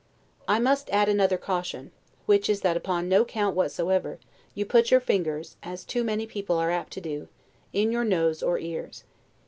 I must add another caution, which is that upon no account whatever, you put your fingers, as too many people are apt to do, in your nose or ears.